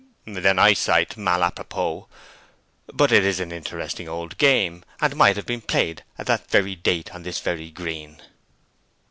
"' 'Then I cite mal a propos. But it is an interesting old game, and might have been played at that very date on this very green.'